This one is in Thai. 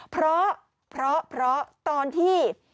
เพราะตอนที่